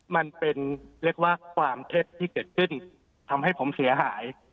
มันเป็นเรียกว่าความเท็จที่เกิดขึ้นทำให้ผมเสียหาย